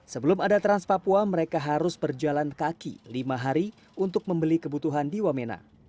sebelum ada trans papua mereka harus berjalan kaki lima hari untuk membeli kebutuhan di wamena